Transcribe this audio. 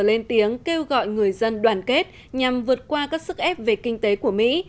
lên tiếng kêu gọi người dân đoàn kết nhằm vượt qua các sức ép về kinh tế của mỹ